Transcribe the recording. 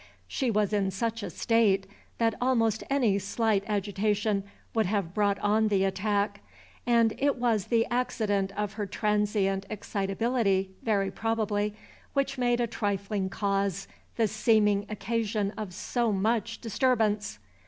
She was in such a state that almost any slight agitation would have brought on the attack, and it was the accident of her transient excitability, very probably, which made a trifling cause the seeming occasion of so much disturbance.